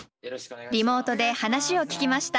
リモートで話を聞きました。